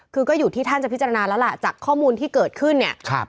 คือก็อยู่ที่ท่านจะพิจารณาแล้วล่ะจากข้อมูลที่เกิดขึ้นเนี่ย